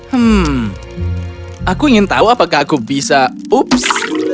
hmm aku ingin tahu apakah aku bisa ups